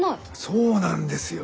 そうなんですよ！